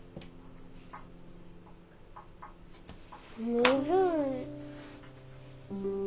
むずい。